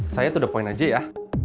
saya tuh udah point aja ya